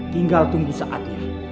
tinggal tunggu saatnya